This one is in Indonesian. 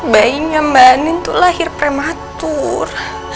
bayinya mbak anin tuh lahir prematur